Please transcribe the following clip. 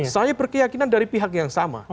saya berkeyakinan dari pihak yang sama